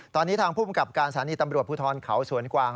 ตอนนี้ทางภูมิกับการสถานีตำรวจภูทรเขาสวนกวาง